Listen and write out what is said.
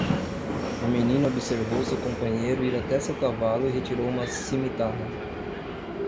O menino observou seu companheiro ir até seu cavalo e retirou uma cimitarra.